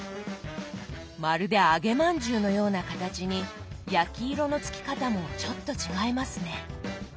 まるで揚げまんじゅうのような形に焼き色のつき方もちょっと違いますね。